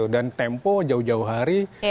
dan tempo jauh jauh hari